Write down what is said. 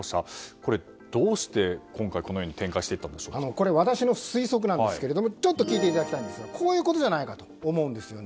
これ、どうして今回このように私の推測なんですけどちょっと聞いていただきたいんですがこういうことじゃないかと思うんですよね。